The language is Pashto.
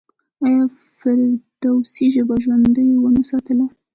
آیا فردوسي ژبه ژوندۍ ونه ساتله؟